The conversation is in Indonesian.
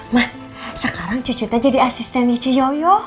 ma sekarang cucu teh jadi asisten nih ciyoyo